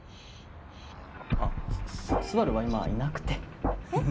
あっスバルは今いなくてえっ？